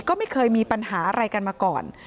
ก็ไม่เคยมีปัญหาอะไรกันมาก่อน